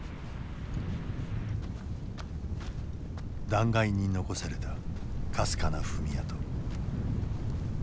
断崖に残されたかすかな踏み跡。